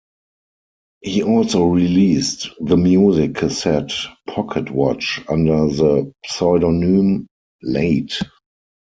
He also released the music cassette Pocketwatch under the pseudonym Late!